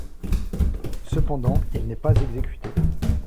Cependant il n'est pas exécuté.